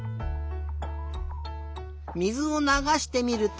水をながしてみると。